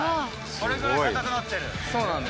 それぐらい硬くなってる。